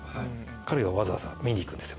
彼はわざわざ見に行くんですよ